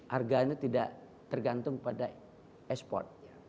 harganya tidak tergantung pada ekspor